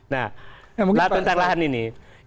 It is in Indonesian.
nah tentang lahan ini